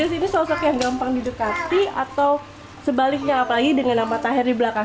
ini sosok yang gampang didekati atau sebaliknya apalagi dengan nama tahir di belakang